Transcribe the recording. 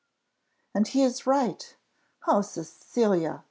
"And he is right. O Cecilia!"